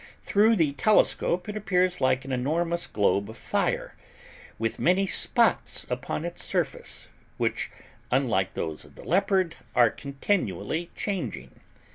Through the telescope it appears like an enormous globe of fire, with many spots upon its surface, which, unlike those of the leopard, are continually changing.